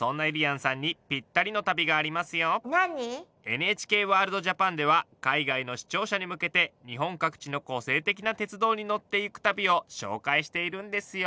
「ＮＨＫワールドＪＡＰＡＮ」では海外の視聴者に向けて日本各地の個性的な鉄道に乗って行く旅を紹介しているんですよ。